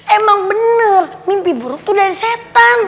emang benar mimpi buruk itu dari setan